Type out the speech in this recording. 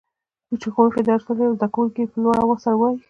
چي ښوونکي درس لولي او زده کوونکي يي په لوړ اواز ورسره وايي.